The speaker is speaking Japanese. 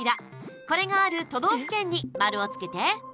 これがある都道府県に丸をつけて。